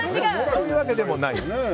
そういうわけでもないです。